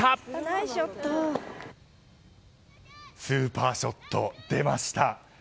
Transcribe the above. スーパーショット、出ました。